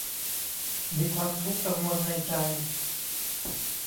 มีความทุกข์กังวลในใจ